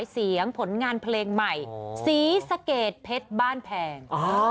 สีสะเกตเพชรบ้านแพง